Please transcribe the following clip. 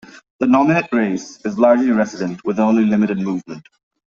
The nominate race is largely resident, with only limited movement.